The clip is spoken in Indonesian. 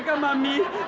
bukan mereka mami